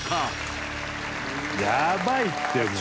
やばいってもう。